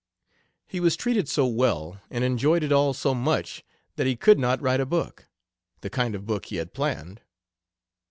He was treated so well and enjoyed it all so much that he could not write a book the kind of book he had planned.